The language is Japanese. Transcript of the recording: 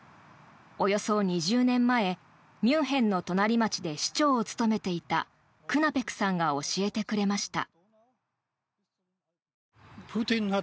およそ２０年前ミュンヘンの隣町で市長を務めていたクナペクさんが教えてくれました。